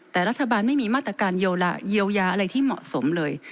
แต่รัฐบาลไม่มีมาตรการเยียวยาอะไรที่เหมาะสมเลย